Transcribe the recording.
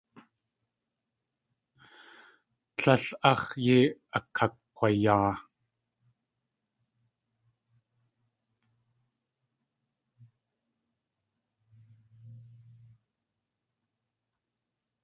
Tlél áx̲ yei akakg̲wayaa.